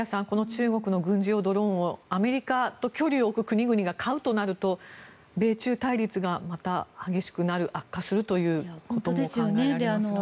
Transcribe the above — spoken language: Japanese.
中国の軍事用ドローンをアメリカと距離を置く国々が買うとなると米中対立がまた激しくなる悪化するということも考えられますが。